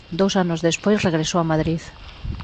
Dous anos despois regresou a Madrid.